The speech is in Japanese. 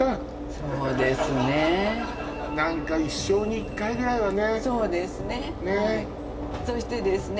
そうですねえ何か一生に一回ぐらいはねそうですねねっそしてですね